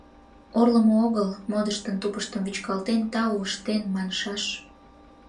Орлымо огыл, модшыштын тупыштым вӱчкалтен, тау ыштен маншаш: